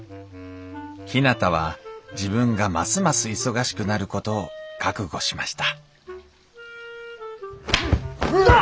ひなたは自分がますます忙しくなることを覚悟しましたふん。